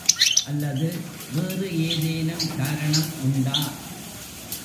அல்லது வேறு ஏதேனும் காரணம் உண்டா?